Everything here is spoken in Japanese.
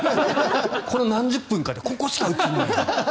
この何十分かでここしか映らない。